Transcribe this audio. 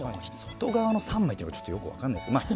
外側の３枚っていうのがちょっとよく分かんないですけど。